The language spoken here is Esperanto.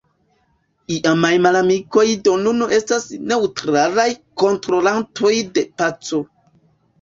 Iamaj malamikoj do nun estas neŭtralaj kontrolantoj de paco.